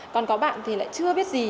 còn có bạn thì lại chưa biết gì